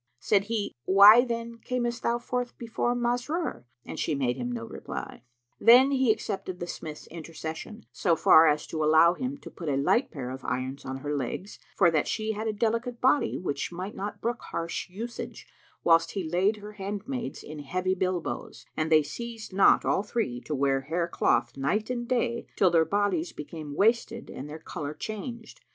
Said he, "Why then camest thou forth before Masrur?"; and she made him no reply. Then he accepted the smith's intercession, so far as to allow him to put a light pair of irons on her legs, for that she had a delicate body, which might not brook harsh usage, whilst he laid her handmaids in heavy bilboes, and they ceased not, all three, to wear hair cloth night and day till their bodies became wasted and their colour changed.